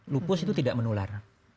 lupus itu tidak menular